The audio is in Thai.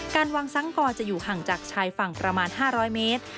การวางสังกรจะอยู่ห่างจากชายฝั่งประมาณ๕๐๐เมตร